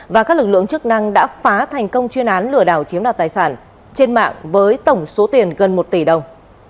và các lực lượng chức năng đã phá thành công chuyên án lửa đảo chiếm đoạt tài sản trên mạng với tổng số tiền gần một tỷ đồng